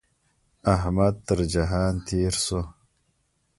احمد تر جهان تېر شو.